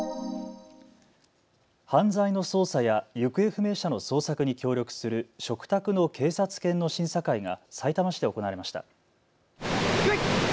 犯罪の捜査や行方不明者の捜索に協力する嘱託の警察犬の審査会がさいたま市で行われました。